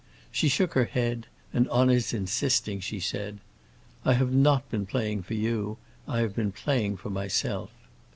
She shook her head, and, on his insisting, she said, "I have not been playing for you; I have been playing for myself."